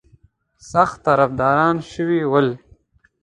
سخت طرفداران شوي ول.